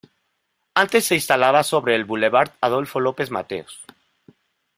Antes se instalaba sobre el Boulevard Adolfo López Mateos.